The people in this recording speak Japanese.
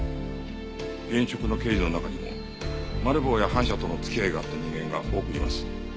現職の刑事の中にもマル暴や反社との付き合いがあった人間が多くいます。